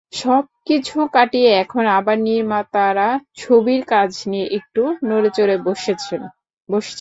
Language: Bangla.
সবকিছু কাটিয়ে এখন আবার নির্মাতারা ছবির কাজ নিয়ে একটু নড়েচড়ে বসছেন।